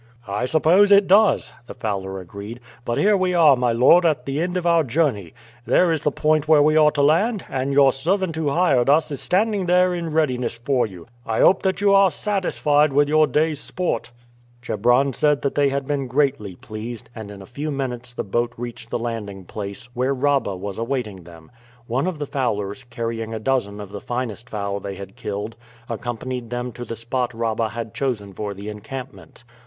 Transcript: "I suppose it does," the fowler agreed. "But here we are, my lord, at the end of our journey. There is the point where we are to land, and your servant who hired us is standing there in readiness for you. I hope that you are satisfied with your day's sport." Chebron said they had been greatly pleased, and in a few minutes the boat reached the landing place, where Rabah was awaiting them. One of the fowlers, carrying a dozen of the finest fowl they had killed, accompanied them to the spot Rabah had chosen for the encampment.